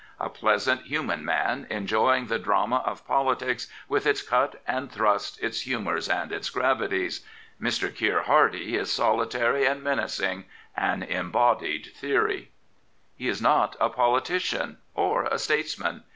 A pleasant, human man, enjoying the drama of politics, with its cut and thrust, its humours and its gravities. Mr. Keir Hardie is solitary and menacing — an embodied theory. fie is not a politician or a statesman.